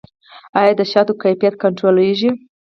آیا د شاتو کیفیت کنټرولیږي؟